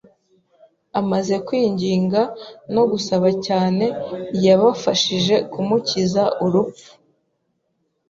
amaze kwinginga no gusaba cyane Iyabashije kumukiza urupfu